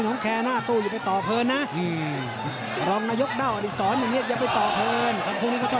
ยังยก๒ยังยก๒ยังยังยาว